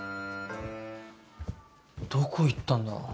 どこ行ったんだ？